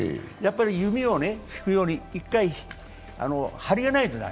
弓を引くように、１回張りがないと駄目。